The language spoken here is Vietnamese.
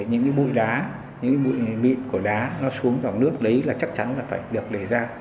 cho những bụi đá những bụi mịn của đá nó xuống dòng nước đấy là chắc chắn là phải được để ra